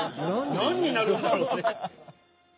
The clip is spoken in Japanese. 何になるんだろうね。